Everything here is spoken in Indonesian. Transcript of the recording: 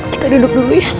kita duduk dulu ya